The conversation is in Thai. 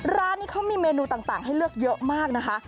ร้านนี้เขามีเมนูต่างให้เลือกเยอะมากนะคะ